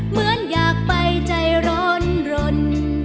เหมือนอยากไปใจร้อนรน